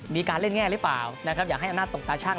มีการเล่นแง่หรือเปล่านะครับอยากให้อำนาจตกตาชั่ง